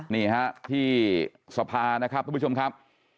นี่ฮะที่สภานะครับทุกผู้ชมครับ